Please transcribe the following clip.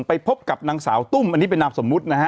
ไปพบกับนางสาวตุ้มอันนี้เป็นนามสมมุตินะฮะ